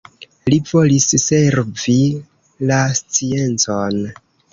Li volis servi la sciencon.